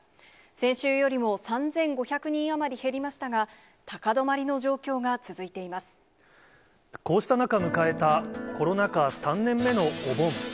先週よりも３５００人余り減りましたが、こうした中、迎えたコロナ禍３年目のお盆。